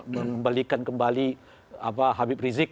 membalikan kembali habib rizik